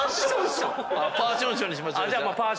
⁉パーションションにしましょう。